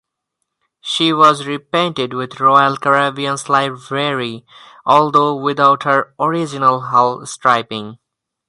She was repainted with Royal Caribbean's livery, although without her original hull striping.